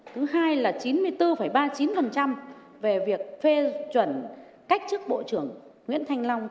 thứ hai là chín mươi bốn ba mươi chín về việc phê chuẩn cách chức bộ trưởng nguyễn thanh long